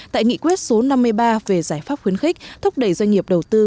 tại nghị quyết số năm mươi ba về giải pháp khuyến khích thúc đẩy doanh nghiệp đầu tư